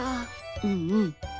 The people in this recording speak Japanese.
うんうん。